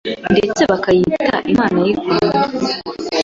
ndetse bakayita Imana y’i Rwanda.